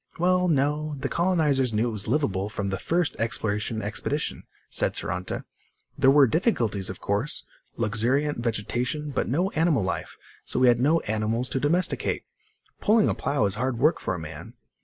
"Well, no, the colonizers knew it was liveable, from the first exploration expedition," said Saranta. "There were difficulties, of course. Luxuriant vegetation, but no animal life, so we had no animals to domesticate. Pulling a plow is hard work for a man."